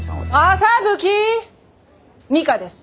麻吹美華です！